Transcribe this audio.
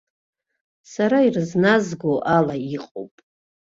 Сара ирызназго ала иҟоуп.